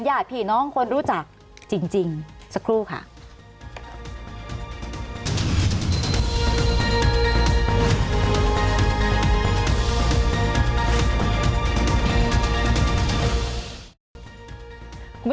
สวัสดีครับทุกคน